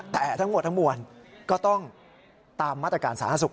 แต่ทั้งหมดทั้งมวลก็ต้องตามมาตรการสาธารณสุข